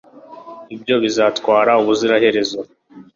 ibyo bizatwara ubuziraherezo